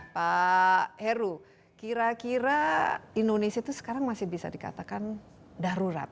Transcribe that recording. pak heru kira kira indonesia itu sekarang masih bisa dikatakan darurat